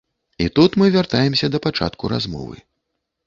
І тут мы вяртаемся да пачатку размовы.